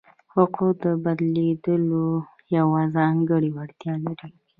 حقوق د بدلېدو یوه ځانګړې وړتیا لري.